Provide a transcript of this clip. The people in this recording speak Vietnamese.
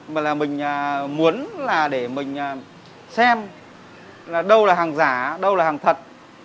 mà là mình muốn là để mình xem là đâu là hàng giả đâu là hàng thật